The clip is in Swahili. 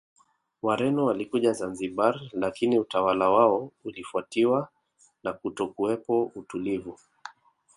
Wareno walikuja Zanzibar lakini utawala wao ulifuatiwa na kutokuwepo utulivu